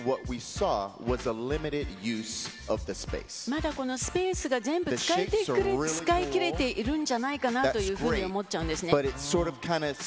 まだこのスペースが全部使いきれてないんじゃないかなと思っちゃうんですね。